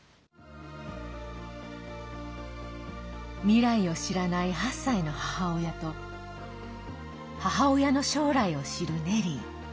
未来を知らない８歳の母親と母親の将来を知るネリー。